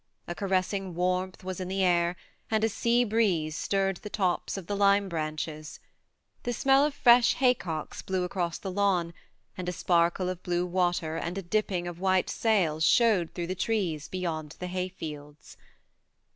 A caressing warmth was in the air, and a sea breeze stirred the tops of the lime branches. The smell of fresh hay cocks blew across the lawn, and a sparkle of blue water and a dipping of THE MARNE 51 white sails showed through the trees beyond the hay fields.